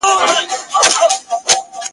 د خیالي رباب شرنګی دی تر قیامته په غولیږو !.